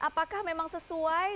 apakah memang sesuai